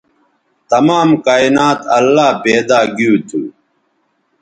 تمام کائنات اللہ پیدا گیو تھو